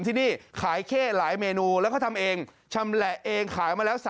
ที่นี่ขายเข้หลายเมนูแล้วเขาทำเองชำแหละเองขายมาแล้ว